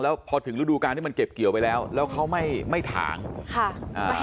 แล้วพอถึงฤดูการที่มันเก็บเกี่ยวไปแล้วแล้วเขาไม่ไม่ถางค่ะอ่า